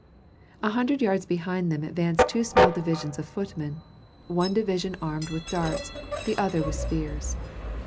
A hundred yards behind them advanced two small divisions of footmen, one division armed with darts, the other with spears.